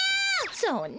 そうね。